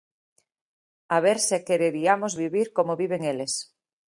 A ver se quereriamos vivir como viven eles.